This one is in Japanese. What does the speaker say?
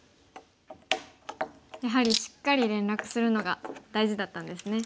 やはりしっかり連絡するのが大事だったんですね。